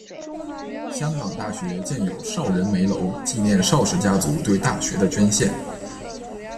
香港大学建有邵仁枚楼纪念邵氏家族对大学的捐献。